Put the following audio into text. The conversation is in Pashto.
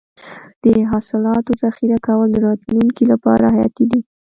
د حاصلاتو ذخیره کول د راتلونکي لپاره حیاتي دي.